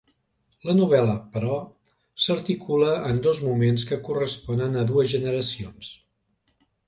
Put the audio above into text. La novel·la, però, s'articula en dos moments que corresponen a dues generacions.